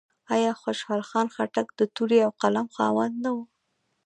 آیا خوشحال خان خټک د تورې او قلم خاوند نه و؟